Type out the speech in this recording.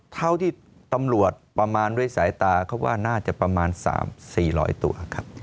เท่าที่ตำรวจประมาณด้วยสายตาเขาว่าน่าจะประมาณ๔๐๐ตัวครับ